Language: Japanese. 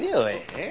えっ？